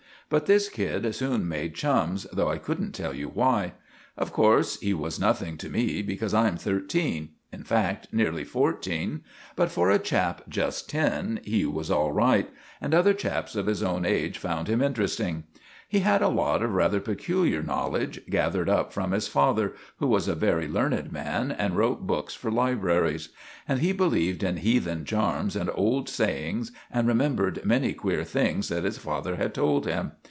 But this kid soon made chums, though I couldn't tell you why. Of course he was nothing to me, because I'm thirteen—in fact, nearly fourteen—but for a chap just ten he was all right, and other chaps of his own age found him interesting. He had a lot of rather peculiar knowledge, gathered up from his father, who was a very learned man and wrote books for libraries. And he believed in heathen charms and old sayings, and remembered many queer things that his father had told him.